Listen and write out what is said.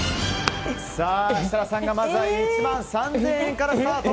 設楽さんが１万３０００円からスタート。